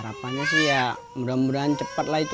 harapannya sih ya mudah mudahan cepat lah itu